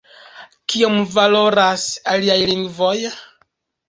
Kiom valoras “aliaj lingvoj?